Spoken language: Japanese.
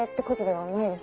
はい。